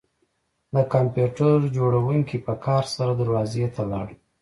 د کمپیوټر جوړونکي په قهر سره دروازې ته لاړ